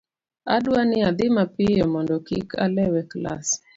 adwa ni adhi mapiyo mondo kik alew e klas